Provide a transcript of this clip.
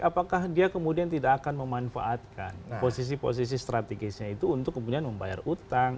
apakah dia kemudian tidak akan memanfaatkan posisi posisi strategisnya itu untuk kemudian membayar utang